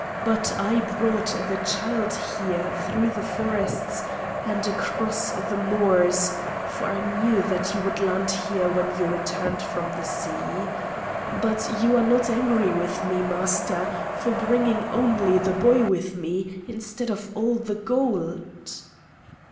But I brought the child here through the forests and across the moors, for I knew that you would land here when you returned from the sea. But you are not angry with me, Master, for bringing only the boy with me instead of all the gold?"